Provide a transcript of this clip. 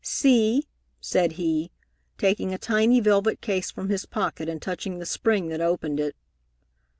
"See," said he, taking a tiny velvet case from his pocket and touching the spring that opened it.